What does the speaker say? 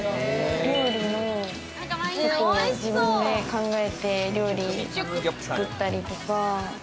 料理を自分で考えて料理作ったりとか。